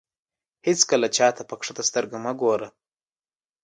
هېڅکله چاته په کښته سترګه مه ګوره.